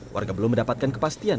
warga belum mendapatkan kepastian